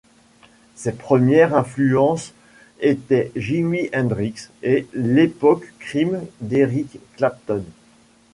Ses premières influences étaient Jimi Hendrix et l'époque Cream d'Eric Clapton.